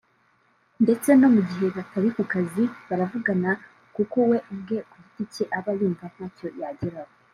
ndetse no mu gihe batari ku kazi baravugana kuko we ubwe ku giti cye aba yumva ntacyo yageraho